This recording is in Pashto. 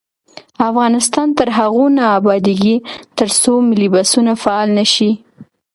افغانستان تر هغو نه ابادیږي، ترڅو ملي بسونه فعال نشي.